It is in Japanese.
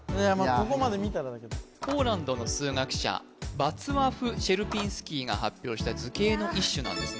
ここまで見たらポーランドの数学者ヴァツワフ・シェルピンスキーが発表した図形の一種なんですね